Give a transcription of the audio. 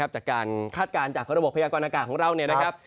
คาดการณ์จากระบบพยากรณากาศของเรา